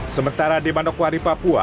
sementara di manokwari papua